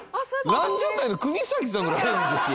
ランジャタイの国崎さんぐらい変ですよ